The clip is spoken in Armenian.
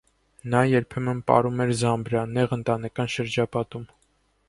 Նա երբեմն պարում էր զամբրա նեղ ընտանեկան շրջապատում։